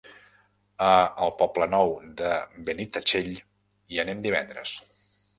A el Poble Nou de Benitatxell hi anem divendres.